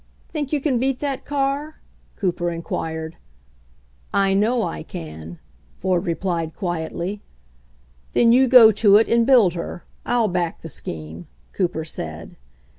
"Think you can beat that car?" Cooper in quired. "I know I can," Ford replied quietly. "Then you go to it and build her. Fll back the scheme," Cooper said.